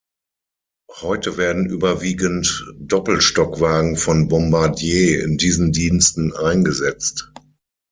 Heute werden überwiegend Doppelstockwagen von Bombardier in diesen Diensten eingesetzt.